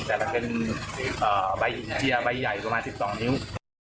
แต่ละเป็นใบหินเจียใบใหญ่ประมาณ๑๒นิ้ว